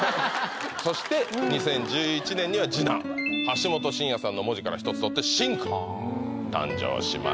そして２０１１年には次男橋本真也さんの文字から１つ取って真くん誕生します